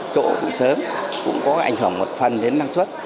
chỗ từ sớm cũng có ảnh hưởng một phần đến năng suất